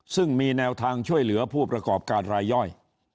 ซึ่งมีแนวทางช่วยเหลือผู้ประกอบการรายย่อย